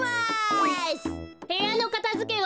へやのかたづけは？